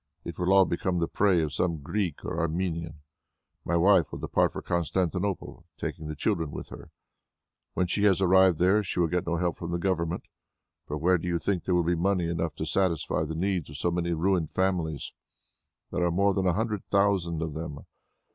It will all become the prey of some Greek or Armenian. My wife will depart for Constantinople, taking the children with her. When she has arrived there, she will get no help from the Government, for where do you think there will be money enough to satisfy the needs of so many ruined families? There are more than a hundred thousand of them.